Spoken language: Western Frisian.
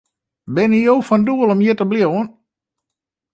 Binne jo fan doel om hjir te bliuwen?